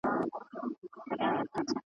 په محراب او منبر ښکلی بیرغ غواړم `